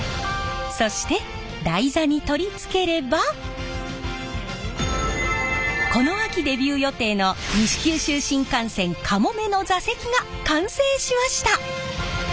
そして台座に取り付ければこの秋デビュー予定の西九州新幹線「かもめ」の座席が完成しました。